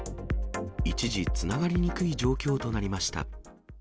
一時、つながりにくい状況となりました。